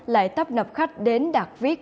lại tắp nập khách đến đặt viết